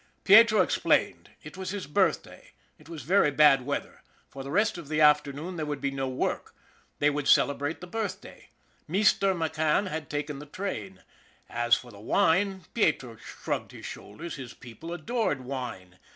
Pietro explained. It was his birthday. It was very bad weather. For the rest of the afternoon there would be no work. They would celebrate the birthday. Meester McCann had taken the train. As for the wine Pietro shrugged his shoulders his people adored wine.